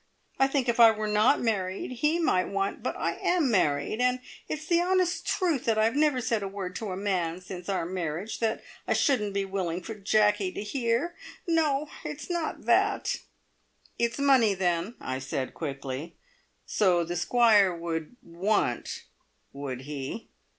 I think if I were not married, he might want but I am married, and it's the honest truth that I've never said a word to a man since our marriage that I shouldn't be willing for Jacky to hear. No! it's not that " "It's money, then," I said quickly. (So the Squire would "want," would he?